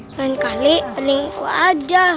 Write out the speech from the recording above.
semain kali peningku aja